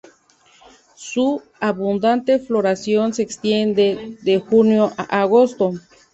Su abundante floración se extiende de junio a agosto.